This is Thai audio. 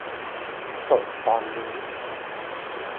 สดตอนนี้